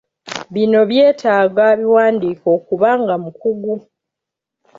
Bino byetaaga abiwandiika okuba nga mukugu.